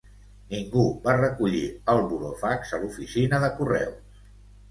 Ningú va recollir el burofax a l'Oficina de Correus.